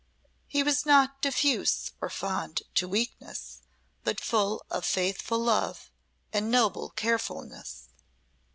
He was not diffuse or fond to weakness, but full of faithful love and noble carefulness.